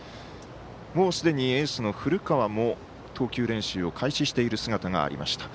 もうすでにエースの古川も投球練習を開始している姿がありました。